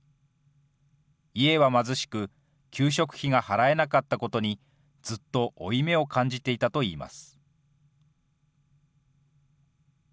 家は貧しく、給食費が払えなかったことにずっと負い目を感じていたといいます。